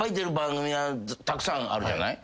たくさんあるじゃない。